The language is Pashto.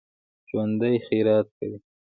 ژوندي خیرات کوي